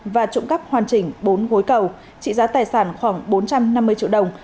và trộm cắp hoàn chỉnh bốn gối cầu trị giá tài sản khoảng bốn trăm năm mươi triệu đồng